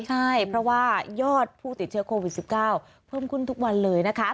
ใช่เพราะว่ายอดผู้ติดเชื้อโควิด๑๙เพิ่มขึ้นทุกวันเลยนะคะ